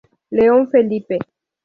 León Felipe.